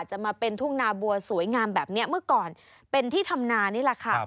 จะมาเป็นทุ่งนาบัวสวยงามแบบนี้เมื่อก่อนเป็นที่ทำนานี่แหละค่ะ